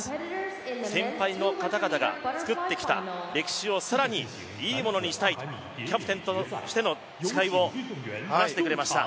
先輩の方々が作ってきた歴史を更にいいものにしたいとキャプテンとしての誓いを話してくれました。